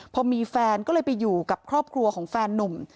พอมีแฟนก็เลยไปอยู่กับครอบครัวของแฟนนุ่ม